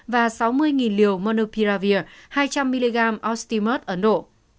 và sáu mươi liều monopiravir hai trăm linh mg ostimut ấn độ